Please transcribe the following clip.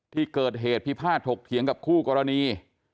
ที่เกิดเหตุพิพาทถกเถียงกับคู่กรณี